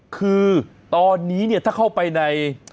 คือตอนนี้เนี่ยถ้าเข้าไปใน